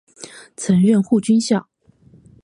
曾任护军校。